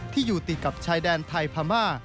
ที่อยู่ติดกับชายแดนไทยพม่า